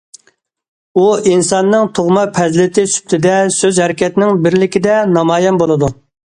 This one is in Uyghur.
ئۇ ئىنساننىڭ تۇغما پەزىلىتى سۈپىتىدە سۆز- ھەرىكەتنىڭ بىرلىكىدە نامايان بولىدۇ.